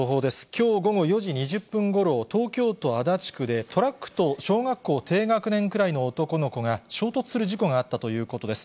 きょう午後４時２０分ごろ、東京都足立区で、トラックと小学校低学年くらいの男の子が衝突する事故があったということです。